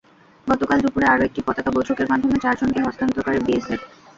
গতকাল দুপুরে আরও একটি পতাকা বৈঠকের মাধ্যমে চারজনকে হস্তান্তর করে বিএসএফ।